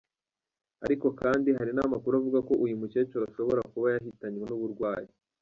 Ariko kandi hari n’amakuru avuga ko uyu mucekuru ashobora kuba yahitanywe n’uburwayi.